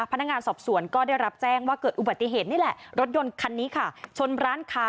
พนักงานสอบสวนก็ได้รับแจ้งว่าเกิดอุบัติเหตุนี่แหละรถยนต์คันนี้ค่ะชนร้านค้า